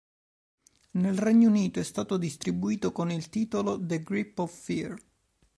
Nel Regno Unito è stato distribuito con il titolo "The Grip of Fear".